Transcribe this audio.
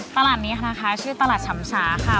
ตลาดนี้นะคะชื่อตลาดชำสาค่ะ